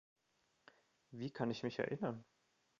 Wie kann ich mich erinnern?